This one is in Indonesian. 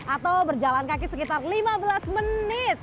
atau berjalan kaki sekitar lima belas menit